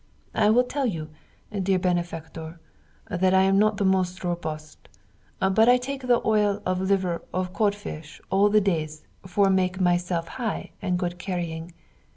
I will tell you, dear benefactor, that I am not the most robust But I take the oil of liver of cod fish all the days for make myself high and good carrying.